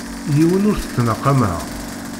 Yiwen ur t-ttnaqameɣ.